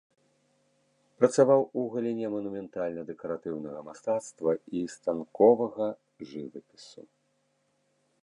Працаваў у галіне манументальна-дэкаратыўнага мастацтва і станковага жывапісу.